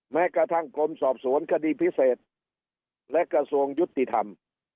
แม้กระทั่งกรมสอบสวนคดีพิเศษและกระทรวงยุติธรรม